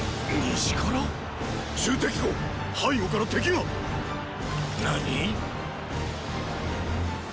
西から⁉戎公背後から敵が！何？